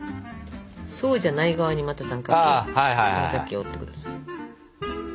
そうじゃない側にまた三角形を折って下さい。